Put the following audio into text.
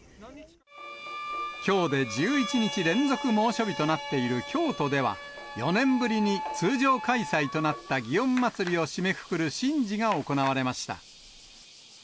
きょうで１１日連続猛暑日となっている京都では、４年ぶりに通常開催となった祇園祭を締めくくる神事が行われました。